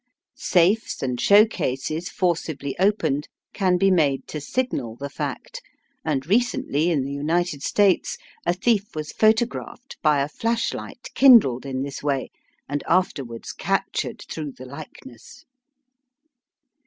Safes and showcases forcibly opened can be made to signal the fact, and recently in the United States a thief was photographed by a flashlight kindled in this way, and afterwards captured through the likeness.